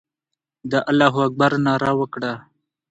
د الله اکبر ناره وکړه.